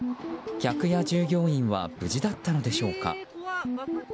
客や従業員は無事だったのでしょうか。